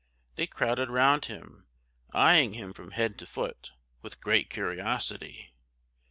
They crowded round him, eying him from head to foot, with great curiosity.